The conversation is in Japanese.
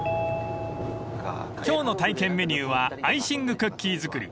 ［今日の体験メニューはアイシングクッキー作り］